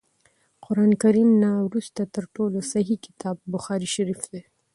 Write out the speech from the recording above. د قران کريم نه وروسته تر ټولو صحيح کتاب بخاري شريف دی